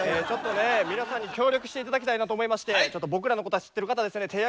ちょっとね皆さんに協力して頂きたいなと思いましてちょっと僕らのこと知ってる方はですね